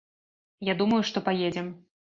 Я думаю, што паедзем.